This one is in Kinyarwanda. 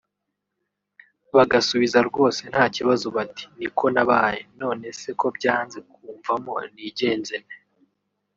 bagusubiza rwose nta kibazo bati “niko nabaye…none se ko byanze kumvamo nigenze nte